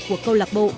của câu lạc bộ